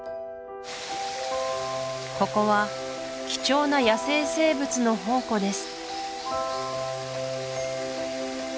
ここは貴重な野生生物の宝庫です